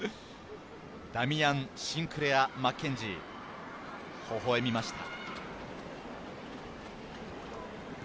ダミアン・シンクレア・マッケンジー、ほほ笑みました。